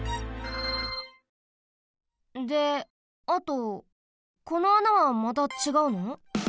であとこの穴はまたちがうの？